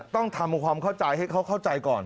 ต้องทำความเข้าใจให้เขาเข้าใจก่อน